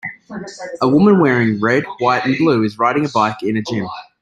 A woman wearing red, white, and blue, is riding a bike in a gym.